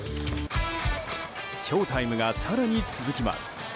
ショータイムが更に続きます。